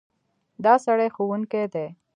دا سړی ښوونکی دی.